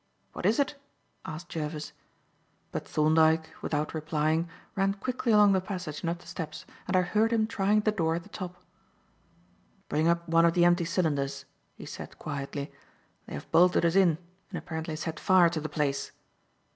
"What is it?" asked Jervis; but Thorndyke, without replying, ran quickly along the passage and up the steps, and I heard him trying the door at the top. "Bring up one of the empty cylinders," he said quietly. "They have bolted us in and apparently set fire to the place."